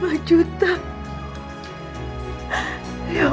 mas aku bukanya